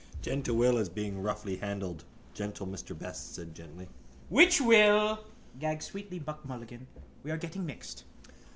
—Gentle Will is being roughly handled, gentle Mr Best said gently. —Which will? gagged sweetly Buck Mulligan. We are getting mixed.